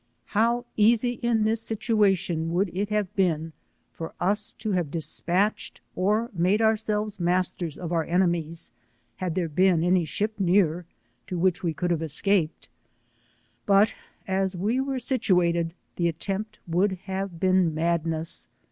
How easy in this situation would it have been for us to have dispatched or made ourselves masters of our enemies, had there been any ship near to which we eould have escaped, but as we were situated, the attempt would have been madness.